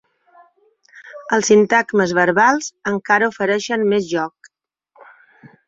Els sintagmes verbals encara ofereixen més joc.